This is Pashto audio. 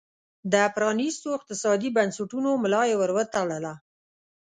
د پرانیستو اقتصادي بنسټونو ملا یې ور وتړله.